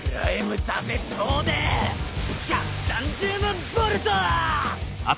１３０万ボルト！